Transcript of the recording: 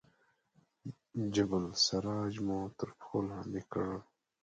جبل السراج مو تر پښو لاندې کړ.